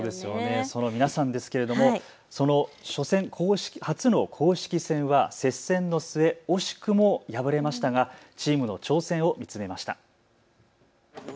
その皆さんですけれどもその初戦、初の公式戦は接戦の末惜しくも敗れましたがチームの挑戦を見つめました。